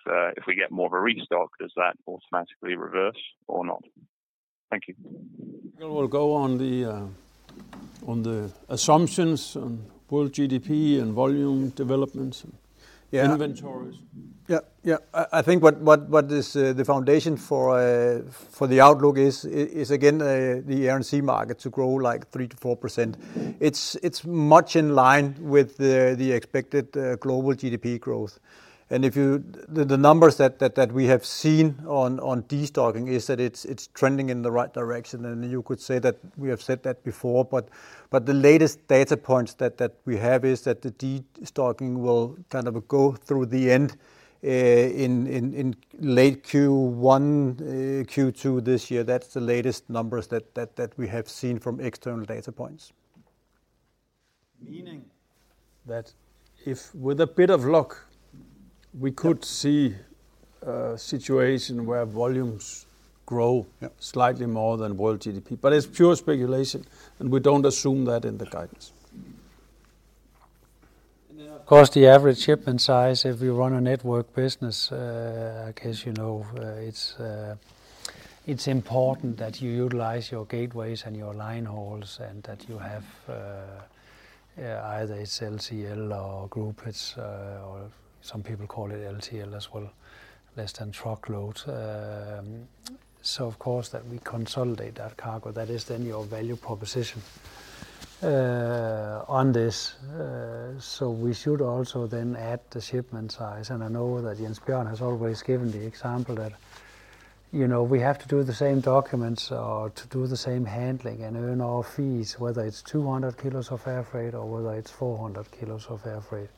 we get more of a restock, does that automatically reverse or not? Thank you. We'll go on the assumptions on world GDP and volume developments. Yeah... inventories. Yeah, yeah. I think what is the foundation for the outlook is again the RNC market to grow, like, 3%-4%. It's much in line with the expected global GDP growth. And if you, the numbers that we have seen on destocking is that it's trending in the right direction, and you could say that we have said that before, but the latest data points that we have is that the destocking will kind of go through the end in late Q1, Q2 this year. That's the latest numbers that we have seen from external data points. Meaning that if with a bit of luck, we could see a situation where volumes grow- Yeah slightly more than world GDP, but it's pure speculation, and we don't assume that in the guidance. And then, of course, the average shipment size, if we run a network business, I guess, you know, it's important that you utilize your gateways and your line hauls, and that you have, either it's LCL or group, it's, or some people call it LTL as well, less than truckload. So of course, that we consolidate that cargo, that is then your value proposition, on this. So we should also then add the shipment size, and I know that Jens Bjørn has always given the example that, you know, we have to do the same documents or to do the same handling and earn our fees, whether it's 200 kg of air freight or whether it's 400 kg of air freight.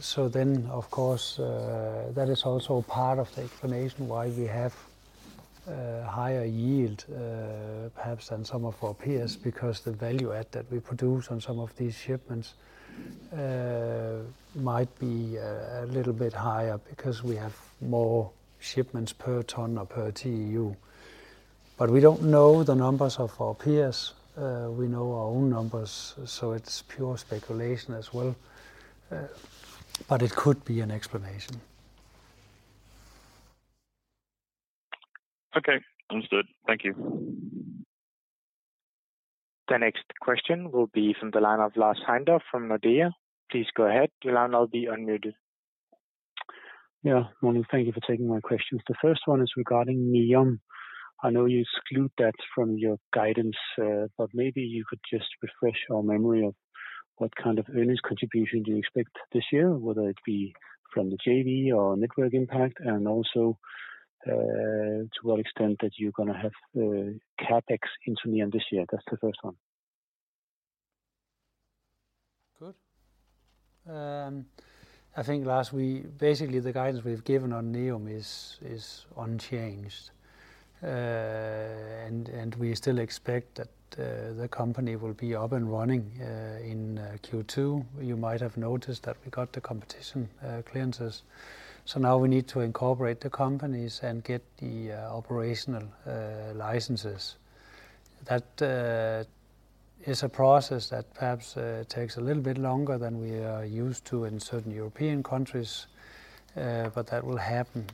So then, of course, that is also part of the explanation why we have higher yield, perhaps than some of our peers, because the value add that we produce on some of these shipments might be a little bit higher because we have more shipments per ton or per TEU. But we don't know the numbers of our peers, we know our own numbers, so it's pure speculation as well, but it could be an explanation. Okay. Understood. Thank you. The next question will be from the line of Lars Heindorff from Nordea. Please go ahead. Your line will now be unmuted. Yeah. Morning, thank you for taking my questions. The first one is regarding NEOM. I know you exclude that from your guidance, but maybe you could just refresh our memory of what kind of earnings contribution do you expect this year, whether it be from the JV or network impact, and also, to what extent that you're gonna have, CapEx into NEOM this year? That's the first one. Good. I think, Lars, we basically, the guidance we've given on NEOM is unchanged. And we still expect that the company will be up and running in Q2. You might have noticed that we got the competition clearances, so now we need to incorporate the companies and get the operational licenses. That is a process that perhaps takes a little bit longer than we are used to in certain European countries, but that will happen,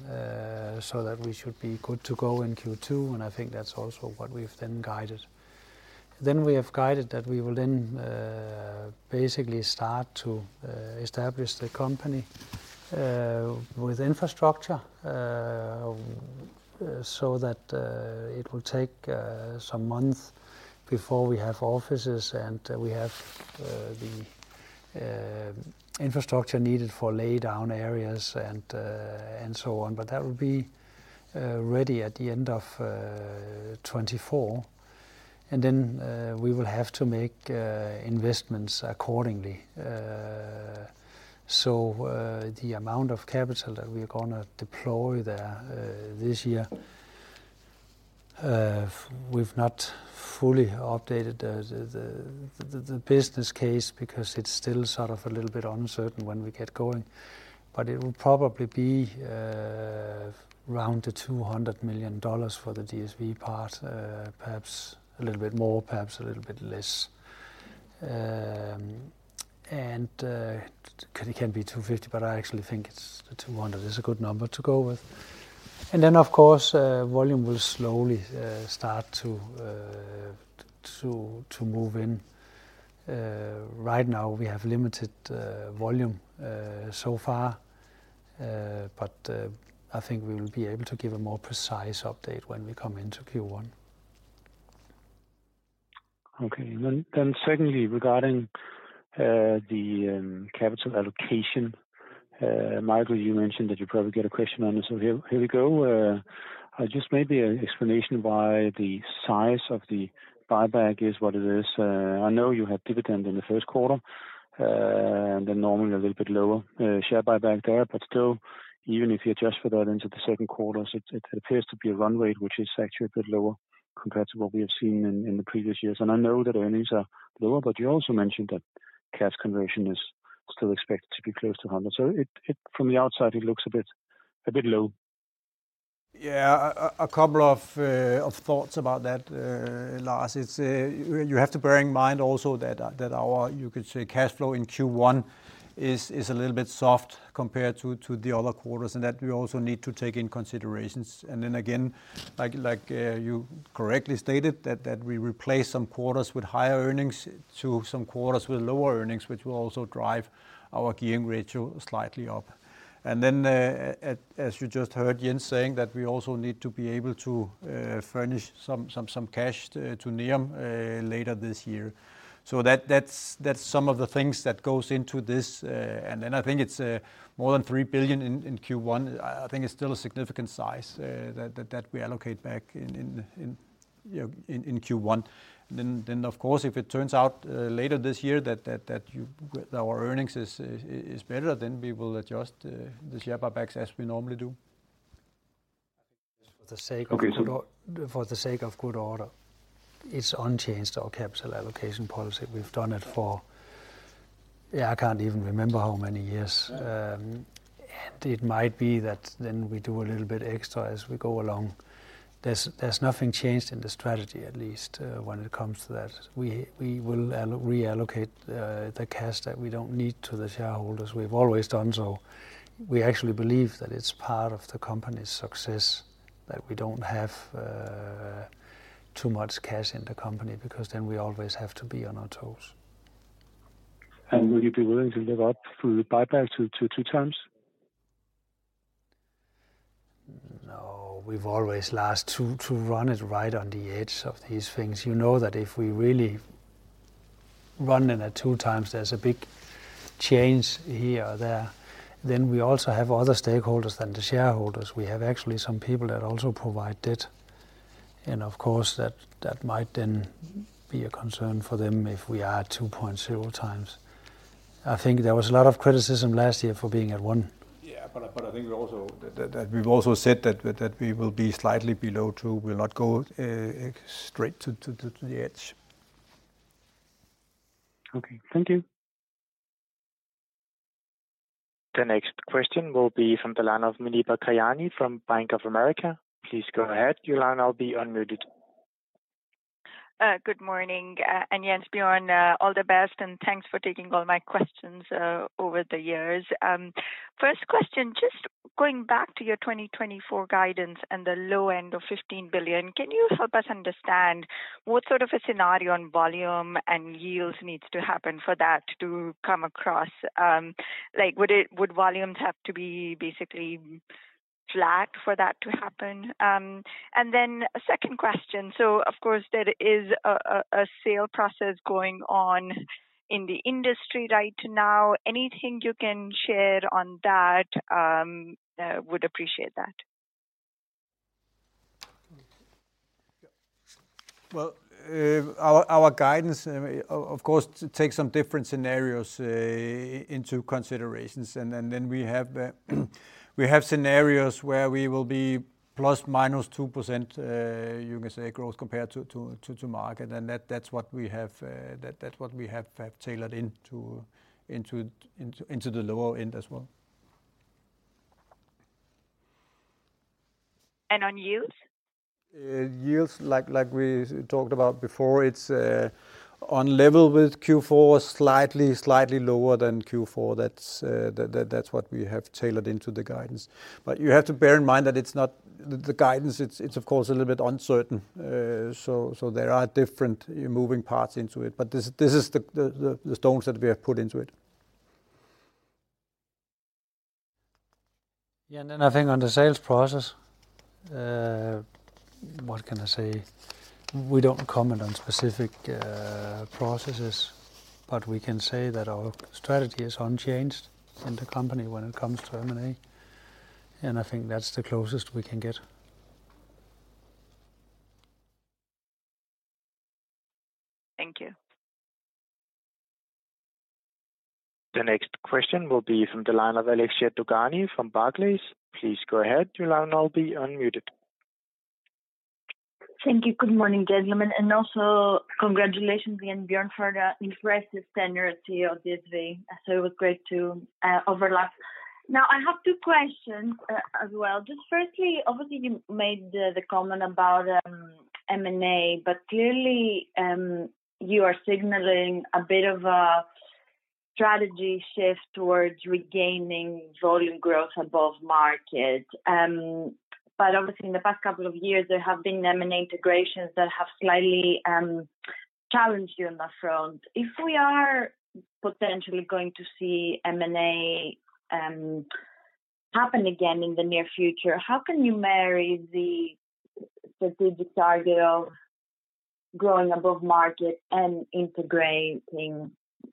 so that we should be good to go in Q2, and I think that's also what we've then guided. Then we have guided that we will then basically start to establish the company with infrastructure so that it will take some months before we have offices and we have the infrastructure needed for laydown areas and so on. But that will be ready at the end of 2024, and then we will have to make investments accordingly. So the amount of capital that we're gonna deploy there this year we've not fully updated the business case because it's still sort of a little bit uncertain when we get going. But it will probably be around the $200 million for the DSV part, perhaps a little bit more, perhaps a little bit less. It can be 250, but I actually think it's the 200 is a good number to go with. And then, of course, volume will slowly start to move in. Right now we have limited volume so far, but I think we will be able to give a more precise update when we come into Q1. Okay. Then secondly, regarding the capital allocation, Michael, you mentioned that you probably get a question on this, so here we go. I just maybe an explanation why the size of the buyback is what it is. I know you had dividend in the first quarter, and then normally a little bit lower share buyback there, but still, even if you adjust for that into the second quarters, it appears to be a run rate, which is actually a bit lower compared to what we have seen in the previous years. And I know that earnings are lower, but you also mentioned that cash conversion is still expected to be close to 100. So it from the outside, it looks a bit low. Yeah, a couple of thoughts about that, Lars. It's you have to bear in mind also that that our, you could say, cash flow in Q1 is a little bit soft compared to the other quarters, and that we also need to take in considerations. And then again, like, you correctly stated, that we replace some quarters with higher earnings to some quarters with lower earnings, which will also drive our gearing ratio slightly up. And then, as you just heard Jens saying, that we also need to be able to furnish some cash to NEOM later this year. So that's some of the things that goes into this, and then I think it's more than 3 billion in Q1. I think it's still a significant size that we allocate back in, you know, in Q1. Then, of course, if it turns out later this year that our earnings is better, then we will adjust the share buybacks as we normally do. For the sake of- Okay, so- For the sake of good order, it's unchanged our capital allocation policy. We've done it for... Yeah, I can't even remember how many years. And it might be that then we do a little bit extra as we go along. There's nothing changed in the strategy, at least, when it comes to that. We will reallocate the cash that we don't need to the shareholders. We've always done so. We actually believe that it's part of the company's success that we don't have too much cash in the company, because then we always have to be on our toes. Will you be willing to live up through the buyback to 2x? No, we've always tried to run it right on the edge of these things. You know that if we really run it at 2x, there's a big change here or there, then we also have other stakeholders than the shareholders. We have actually some people that also provide debt, and of course, that might then be a concern for them if we are at 2.0x. I think there was a lot of criticism last year for being at 1x. Yeah, but I think we also... That we've also said that we will be slightly below two. We'll not go straight to the edge. Okay, thank you. The next question will be from the line of Muneeba Kayani from Bank of America. Please go ahead. Your line will be unmuted. Good morning, and Jens Bjørn, all the best, and thanks for taking all my questions over the years. First question, just going back to your 2024 guidance and the low end of 15 billion, can you help us understand what sort of a scenario on volume and yields needs to happen for that to come across? Like, would volumes have to be basically flat for that to happen? And then a second question. So of course, there is a sale process going on in the industry right now. Anything you can share on that, would appreciate that. Well, our guidance, of course, takes some different scenarios into considerations. Then we have scenarios where we will be ±2%, you can say, growth compared to market, and that's what we have tailored into the lower end as well. On yields? Yields, like, like we talked about before, it's on level with Q4, slightly, slightly lower than Q4. That's what we have tailored into the guidance. But you have to bear in mind that it's not... The guidance, it's of course a little bit uncertain. So there are different moving parts into it, but this is the stones that we have put into it. Yeah, and then I think on the sales process, what can I say? We don't comment on specific processes, but we can say that our strategy is unchanged in the company when it comes to M&A, and I think that's the closest we can get. Thank you. The next question will be from the line of Alexia Dogani from Barclays. Please go ahead. Your line will be unmuted. Thank you. Good morning, gentlemen, and also congratulations to Jens Bjørn for the impressive tenure at CEO of DSV. So it was great to overlap. Now, I have two questions, as well. Just firstly, obviously, you made the, the comment about M&A, but clearly, you are signaling a bit of a strategy shift towards regaining volume growth above market. But obviously in the past couple of years, there have been M&A integrations that have slightly challenged you on that front. If we are potentially going to see M&A happen again in the near future, how can you marry the strategic target of growing above market and integrating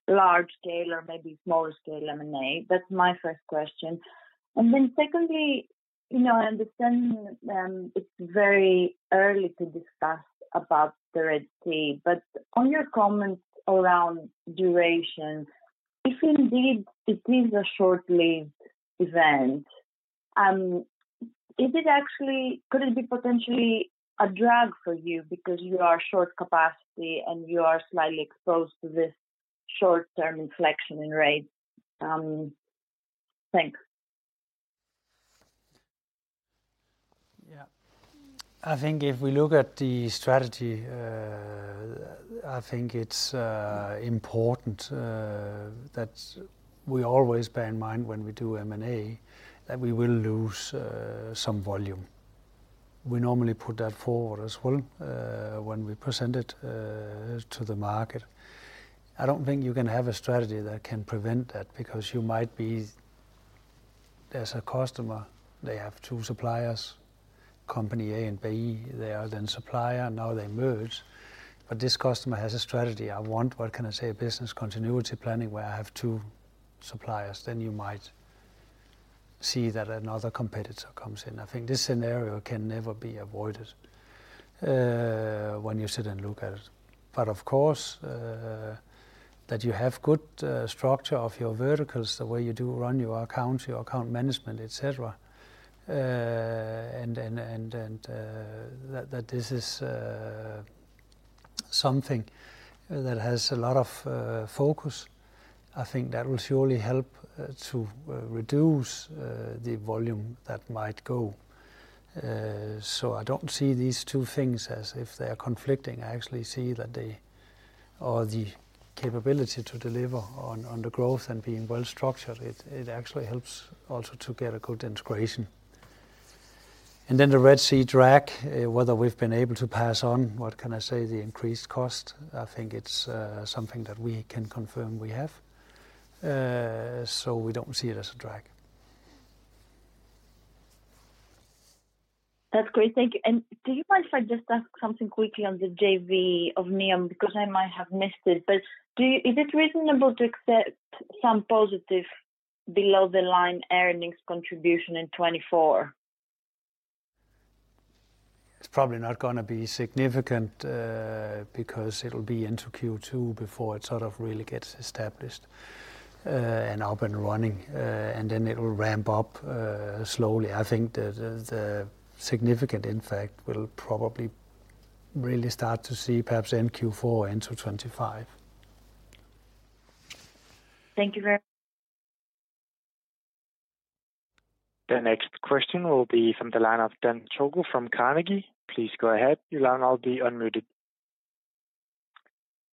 large scale or maybe smaller scale M&A? That's my first question. And then secondly, you know, I understand, it's very early to discuss about the Red Sea, but on your comments around duration, if indeed it is a short-lived event, is it actually, could it be potentially a drag for you because you are short capacity, and you are slightly exposed to this short-term inflection in rates? Thanks. Yeah. I think if we look at the strategy, I think it's important that we always bear in mind when we do M&A, that we will lose some volume. We normally put that forward as well when we present it to the market. I don't think you can have a strategy that can prevent that, because there's a customer, they have two suppliers, company A and B. They are then supplier, now they merge, but this customer has a strategy. I want, what can I say, business continuity planning, where I have two suppliers. Then you might see that another competitor comes in. I think this scenario can never be avoided when you sit and look at it. But of course, that you have good structure of your verticals, the way you do run your account, your account management, et cetera. And that this is something that has a lot of focus. I think that will surely help to reduce the volume that might go. So I don't see these two things as if they are conflicting. I actually see that or the capability to deliver on the growth and being well-structured, it actually helps also to get a good integration. And then the Red Sea drag, whether we've been able to pass on, what can I say? The increased cost, I think it's something that we can confirm we have. So we don't see it as a drag. That's great. Thank you. Do you mind if I just ask something quickly on the JV of NEOM, because I might have missed it, but do you, is it reasonable to accept some positive below the line earnings contribution in 2024? It's probably not gonna be significant, because it'll be into Q2 before it sort of really gets established, and up and running, and then it will ramp up, slowly. I think the significant impact will probably really start to see perhaps in Q4 into 2025. Thank you very- The next question will be from the line of Dan Togo from Carnegie. Please go ahead. Your line will now be unmuted.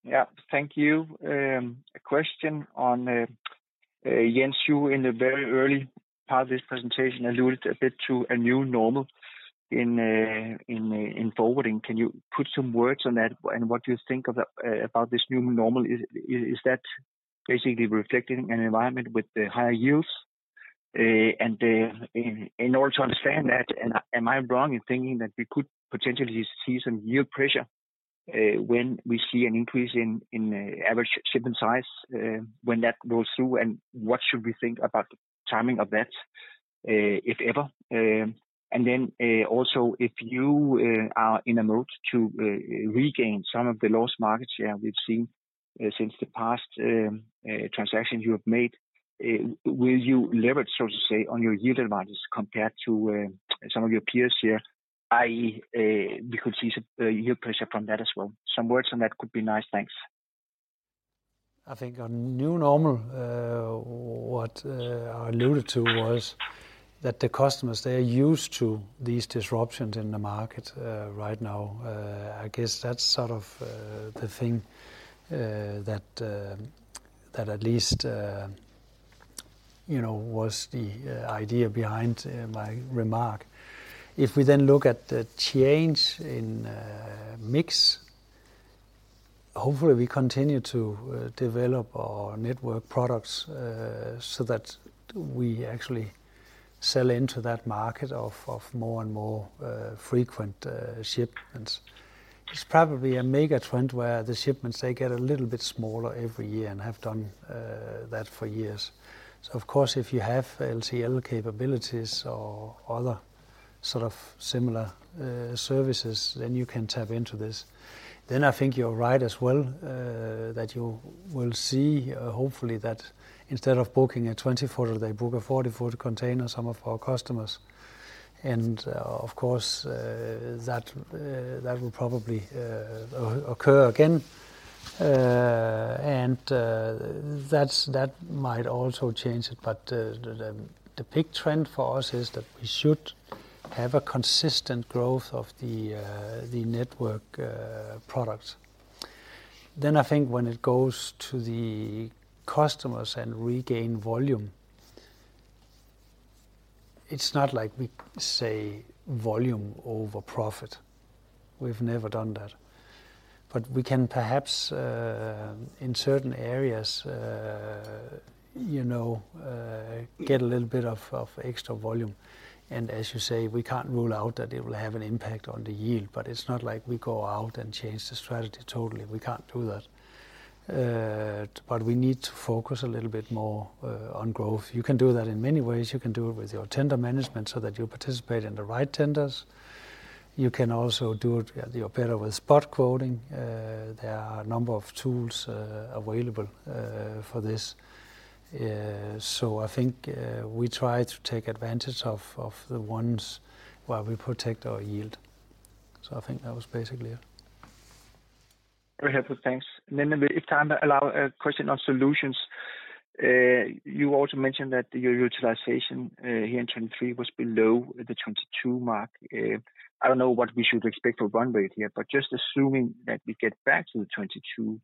Yeah. Thank you. A question on, Jens, you in the very early part of this presentation, alluded a bit to a new normal in forwarding. Can you put some words on that? And what you think of that, about this new normal? Is that basically reflecting an environment with the higher yields? And in order to understand that, and am I wrong in thinking that we could potentially see some yield pressure, when we see an increase in average shipment size, when that goes through, and what should we think about the timing of that, if ever? And then also, if you are in a mode to regain some of the lost market share we've seen since the past transactions you have made, will you leverage, so to say, on your yield advantage compared to some of your peers here, i.e., we could see some yield pressure from that as well? Some words on that could be nice. Thanks. I think our new normal, what I alluded to was that the customers, they are used to these disruptions in the market, right now. I guess that's sort of the thing that that at least, you know, was the idea behind my remark. If we then look at the change in mix, hopefully we continue to develop our network products, so that we actually sell into that market of, of more and more frequent shipments. It's probably a mega trend where the shipments, they get a little bit smaller every year, and have done that for years. So of course, if you have LCL capabilities or other sort of similar services, then you can tap into this. Then I think you're right as well, that you will see, hopefully that instead of booking a 20-footer, they book a 40-footer container, some of our customers. And, of course, that will probably occur again. And, that might also change it, but, the big trend for us is that we should have a consistent growth of the network product. Then I think when it goes to the customers and regain volume, it's not like we say volume over profit. We've never done that, but we can perhaps, in certain areas, you know, get a little bit of extra volume. And as you say, we can't rule out that it will have an impact on the yield, but it's not like we go out and change the strategy totally. We can't do that. But we need to focus a little bit more on growth. You can do that in many ways. You can do it with your tender management so that you participate in the right tenders. You can also do it at the operator with spot quoting. There are a number of tools available for this. So I think we try to take advantage of the ones where we protect our yield. So I think that was basically it. Very helpful. Thanks. And then if time allow, a question on solutions. You also mentioned that your utilization here in 2023 was below the 2022 mark. I don't know what we should expect for run rate here, but just assuming that we get back to the 2022,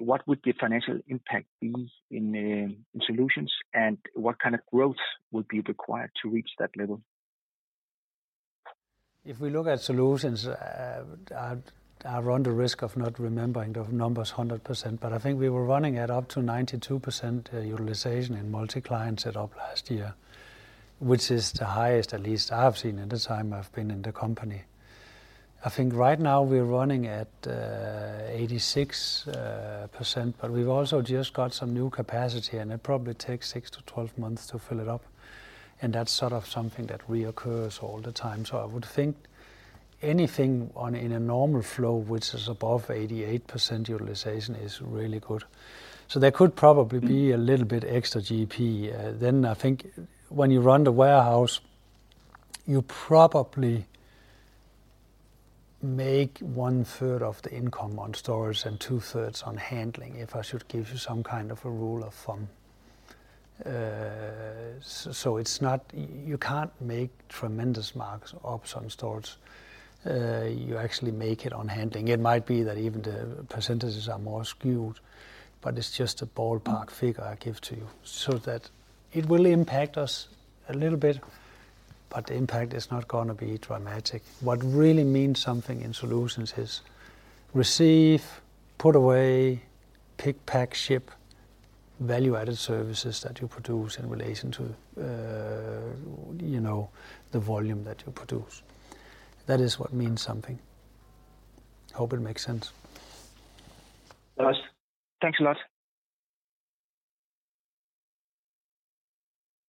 what would the financial impact be in, in solutions, and what kind of growth would be required to reach that level?... If we look at Solutions, I run the risk of not remembering the numbers 100%, but I think we were running at up to 92% utilization in multi-client setup last year, which is the highest, at least I've seen in the time I've been in the company. I think right now we're running at 86%, but we've also just got some new capacity, and it probably takes 6-12 months to fill it up, and that's sort of something that reoccurs all the time. So I would think anything on, in a normal flow, which is above 88% utilization is really good. So there could probably be a little bit extra GP. Then I think when you run the warehouse, you probably make one third of the income on storage and two thirds on handling, if I should give you some kind of a rule of thumb. So it's not, you can't make tremendous markups on storage. You actually make it on handling. It might be that even the percentages are more skewed, but it's just a ballpark figure I give to you. So that it will impact us a little bit, but the impact is not gonna be dramatic. What really means something in solutions is receive, put away, pick, pack, ship, value-added services that you produce in relation to, you know, the volume that you produce. That is what means something. Hope it makes sense. It does. Thanks a lot.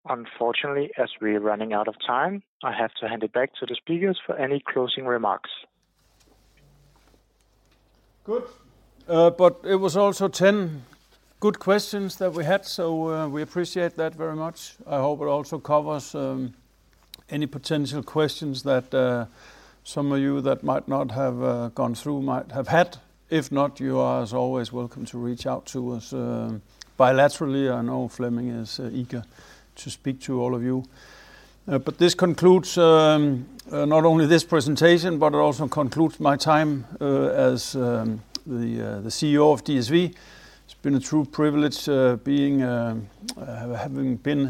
Unfortunately, as we're running out of time, I have to hand it back to the speakers for any closing remarks. Good. But it was also 10 good questions that we had, so, we appreciate that very much. I hope it also covers any potential questions that some of you that might not have gone through might have had. If not, you are as always welcome to reach out to us, bilaterally. I know Flemming is eager to speak to all of you. But this concludes not only this presentation, but it also concludes my time as the CEO of DSV. It's been a true privilege having been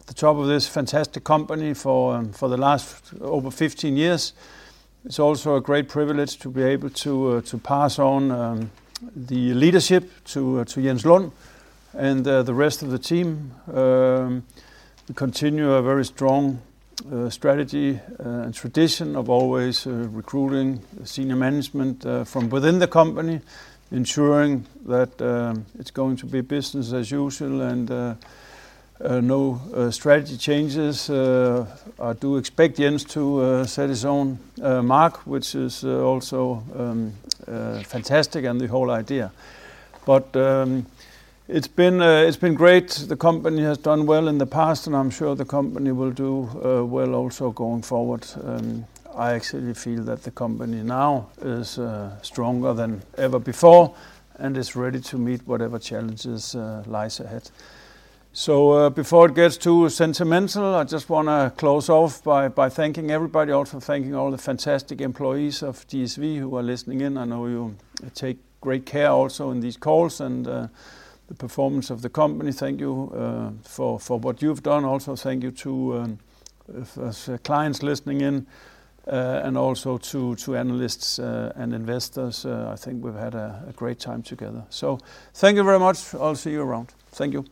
at the top of this fantastic company for the last over 15 years. It's also a great privilege to be able to pass on the leadership to Jens Lund and the rest of the team. We continue a very strong strategy and tradition of always recruiting senior management from within the company, ensuring that it's going to be business as usual and no strategy changes. I do expect Jens to set his own mark, which is also fantastic and the whole idea. But it's been great. The company has done well in the past, and I'm sure the company will do well also going forward. I actually feel that the company now is stronger than ever before and is ready to meet whatever challenges lies ahead. So before it gets too sentimental, I just wanna close off by thanking everybody. Also, thanking all the fantastic employees of DSV who are listening in. I know you take great care also in these calls and the performance of the company. Thank you for what you've done. Also, thank you to clients listening in and also to analysts and investors. I think we've had a great time together. So thank you very much. I'll see you around. Thank you.